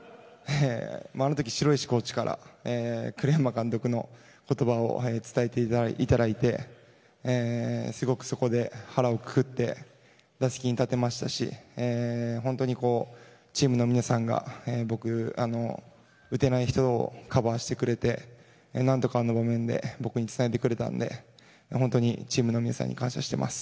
あの時、城石コーチから栗山監督の言葉を伝えていただいてそこで腹をくくって打席に立てましたし本当にチームの皆さんが打てない人をカバーしてくれてなんとか僕につないでくれたので本当にチームのみなさんに感謝しています。